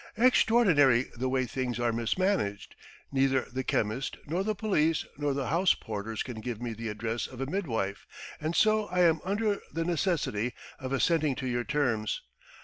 "Extraordinary the way things are mismanaged. Neither the chemist, nor the police, nor the house porters can give me the address of a midwife, and so I am under the necessity of assenting to your terms.